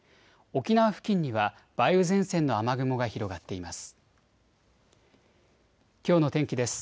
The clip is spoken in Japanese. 沖縄付近には梅雨前線の雨雲が広がっています。